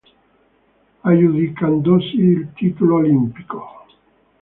Aggiudicandosi il titolo olimpico.